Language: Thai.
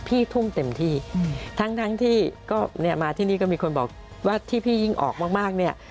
ทุ่มเต็มที่ทั้งที่ก็เนี่ยมาที่นี่ก็มีคนบอกว่าที่พี่ยิ่งออกมากมากเนี่ย